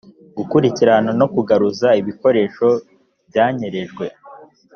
gukurikirana no kugaruza ibikoresho byanyerejwe